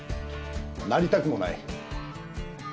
なりたくもない。